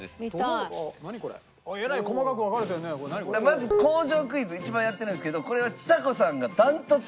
まず工場クイズ一番やってるんですけどこれはちさ子さんが断トツ。